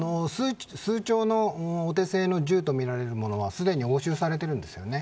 数丁のお手製の銃とみられるものはすでに押収されているんですよね。